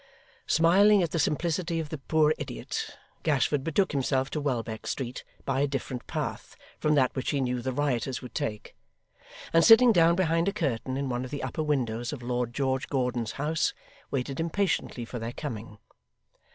Smiling at the simplicity of the poor idiot, Gashford betook himself to Welbeck Street by a different path from that which he knew the rioters would take, and sitting down behind a curtain in one of the upper windows of Lord George Gordon's house, waited impatiently for their coming.